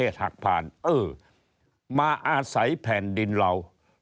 เอ๊ะมาอาศัยแผ่นดินเรา